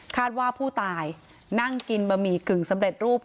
ว่าผู้ตายนั่งกินบะหมี่กึ่งสำเร็จรูป